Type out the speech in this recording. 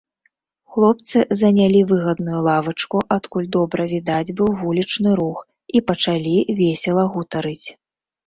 Хлопцы занялі выгадную лавачку, адкуль добра відаць быў вулічны рух, і пачалі весела гутарыць.